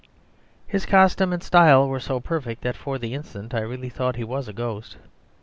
His costume and style were so perfect that for the instant I really thought he was a ghost.